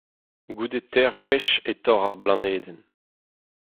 Goude teir gwech e torr ar blanedenn.